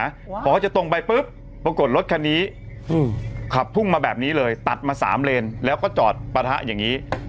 พอจะตรงไปปุ๊บปรากฏรถคันนี้อืมขับพุ่งมาแบบนี้เลยตัดมาสามเลนแล้วก็จอดปะทะอย่างนี้